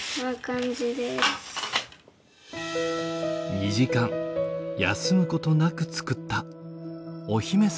２時間休むことなく作ったお姫様のお城。